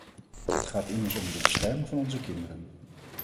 Het gaat immers om de bescherming van onze kinderen.